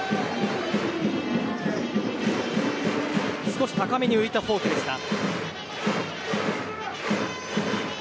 少し高めに浮いたフォークでした。